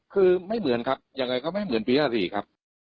คือไม่เหมือนครับยังไงก็ไม่เหมือนปี๕๔ครับ